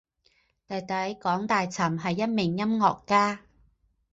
弟弟港大寻是一名音乐家。